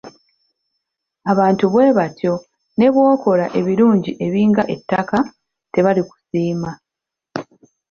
Abantu bwe batyo ne bw’okola ebirungi ebinga ettaka, tebali kusiima.